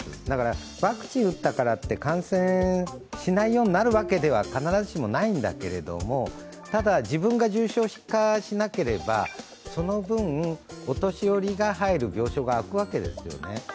だからワクチン打ったからって感染しないようになるわけでは必ずしもないんだけれども、ただ、自分が重症化しなければその分、お年寄りが入る病床が空くわけですよね。